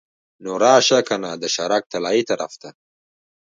نو راشه کنه د شهرک طلایې طرف ته.